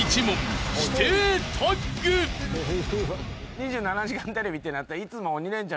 『２７時間テレビ』ってなったら。